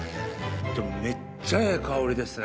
めっちゃええ香りですね。